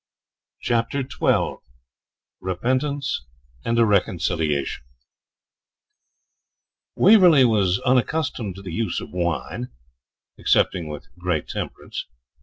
CHAPTER XII REPENTANCE AND A RECONCILIATION Waverley was unaccustomed to the use of wine, excepting with great temperance.